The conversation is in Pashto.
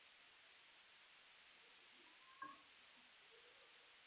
له همدې امله تمدن جوړ شو.